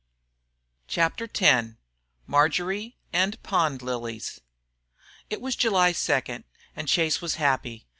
CHAPTER X MARJORY AND POND LILIES It was July second, and Chase was happy.